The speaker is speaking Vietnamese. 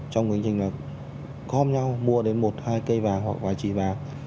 trong hình hình là gom nhau mua đến một hai cây vàng hoặc vài trì vàng